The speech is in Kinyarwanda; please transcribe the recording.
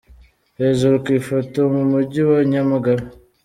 Hejuru ku ifoto: Mu Mujyi wa Nyamagabe.